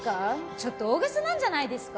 ちょっと大げさなんじゃないですか？